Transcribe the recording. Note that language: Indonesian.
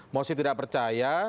musik tidak percaya